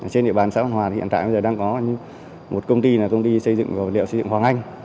trên địa bàn xã vạn hòa hiện tại đang có một công ty công ty xây dựng vật liệu xây dựng hoàng anh